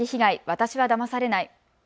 私はだまされない。